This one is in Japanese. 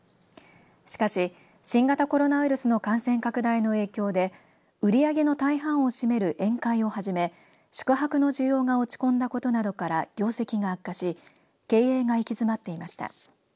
しかし、新型コロナウイルスの感染拡大の影響で売り上げの大半を占める宴会をはじめ宿泊の需要が落ち込んだことなどから業績が悪化し経営が行き詰まっていました。